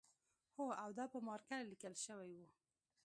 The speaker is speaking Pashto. هو او دا په مارکر لیکل شوی و